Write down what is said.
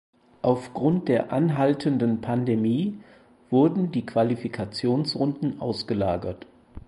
Auf Grund der anhaltenden Pandemie wurden die Qualifikationsrunden ausgelagert.